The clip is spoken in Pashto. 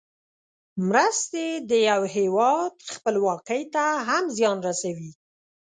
مرستې د یو هېواد خپلواکۍ ته هم زیان رسوي.